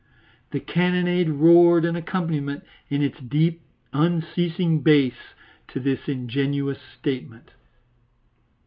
The cannonade roared an accompaniment in its deep, unceasing bass to this ingenuous statement.